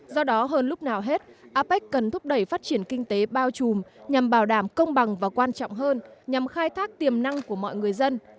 do đó hơn lúc nào hết apec cần thúc đẩy phát triển kinh tế bao trùm nhằm bảo đảm công bằng và quan trọng hơn nhằm khai thác tiềm năng của mọi người dân